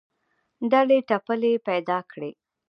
ډلې ټپلې پیدا کړې